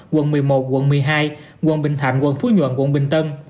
quận một mươi một quận một mươi hai quận bình thạnh quận phú nhuận quận bình tân